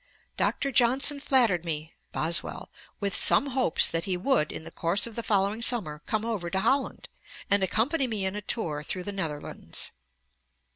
1763. 'Dr. Johnson flattered me (Boswell) with some hopes that he would, in the course of the following summer, come over to Holland, and accompany me in a tour through the Netherlands.'